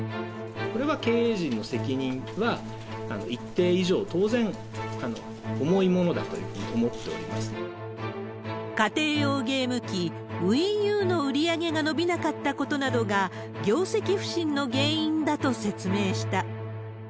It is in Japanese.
これは経営陣の責任は、一定以上、当然重いものだと思ってお家庭用ゲーム機、ＷｉｉＵの売り上げが伸びなかったことなどが、業績不振の原因だと説明した。